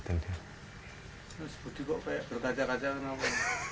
terus budi kok kayak berkaca kaca kenapa